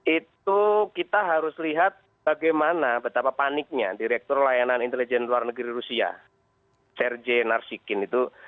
itu kita harus lihat bagaimana betapa paniknya direktur layanan intelijen luar negeri rusia serge narsikin itu